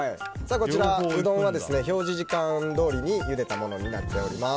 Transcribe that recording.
うどんは表示時間どおりにゆでたものになっています。